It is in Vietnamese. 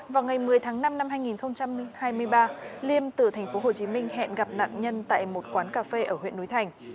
vào ngày một mươi tháng năm năm hai nghìn hai mươi ba liêm từ tp hcm hẹn gặp nạn nhân tại một quán cà phê ở huyện núi thành